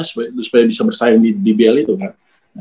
supaya bisa bersaing di dbl itu kan